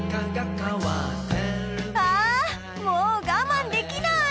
アアーもう我慢できない！